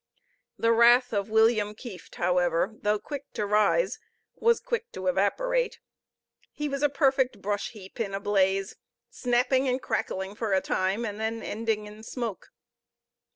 The wrath of William Kieft, however, though quick to rise, was quick to evaporate. He was a perfect brush heap in a blaze, snapping and crackling for a time, and then ending in smoke.